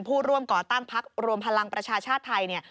ผู้ร่วมก่อตั้งพักฯรวมพลังประชาชาชน์ไทย